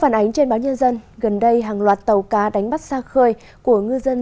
các phản ánh trên báo nhân dân gần đây hàng loạt tàu cá đánh bắt sa khơi của ngư dân xã mỹ thành